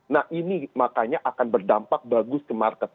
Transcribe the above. nah ini makanya akan berdampak bagus ke market